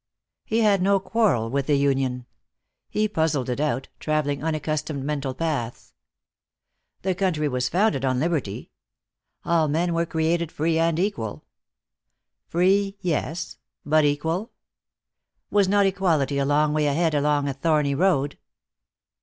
He had no quarrel with the union. He puzzled it out, traveling unaccustomed mental paths. The country was founded on liberty. All men were created free and equal. Free, yes, but equal? Was not equality a long way ahead along a thorny road?